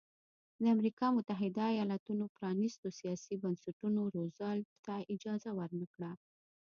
د امریکا متحده ایالتونو پرانیستو سیاسي بنسټونو روزولټ ته اجازه ورنه کړه.